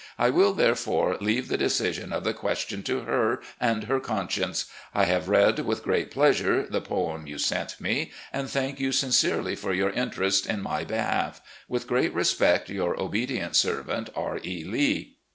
I will, therefore, leave the decision of the question to her and her conscience. I have read with great pleasure the poem you sent me, and thank you sincerely for your interest in my behalf. With great respect, " Yoiu: obedient servant, "R. E. Lee."